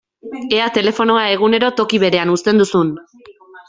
Ea telefonoa egunero toki berean uzten duzun!